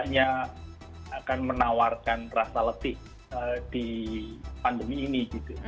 hanya akan menawarkan rasa letih di pandemi ini